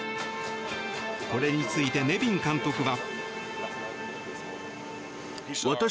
これについて、ネビン監督は。